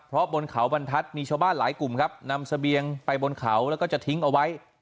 เพราะบนเขาบรรทัศน์มีชาวบ้านหลายกลุ่มครับนำเสบียงไปบนเขาแล้วก็จะทิ้งเอาไว้